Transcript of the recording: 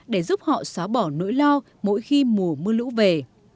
để giúp họ xóa bỏ nỗi lo mỗi khi mùa mưa lũ về